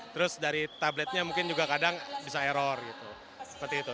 terus dari tabletnya mungkin juga kadang bisa error gitu